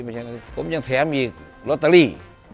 ผมยังแถมอีกรโตตะรี้